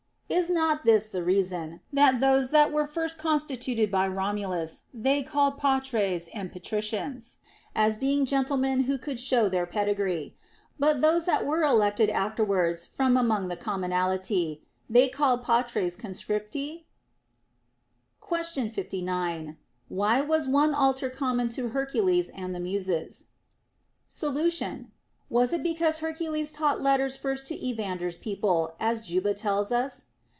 Is not this the reason, that those that were first constituted by Romulus they called Patres and Patri cians, as being gentlemen who could show their pedigree ; but those that were elected afterwards from among the commonalty they called Patres Conscripti % Question 59. Why was one altar common to Hercules and the Muses? Solution. Was it because Hercules taught letters first to Evander's people, as Juba tells us